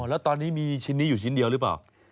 แล้วตอนนี้มีชิ้นนี้อยู่ชิ้นเดียวหรือเปล่า